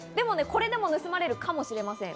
これでも盗まれるかもしれません。